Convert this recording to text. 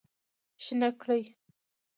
شنه کړی